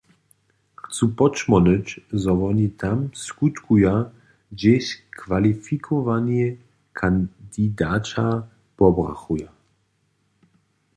Chcu podšmórnyć, zo woni tam skutkuja, hdźež kwalifikowani kandidaća pobrachuja.